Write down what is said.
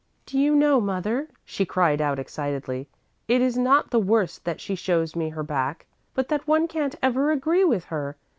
"Do you know, mother," she cried out excitedly, "it is not the worst that she shows me her back, but that one can't ever agree with her.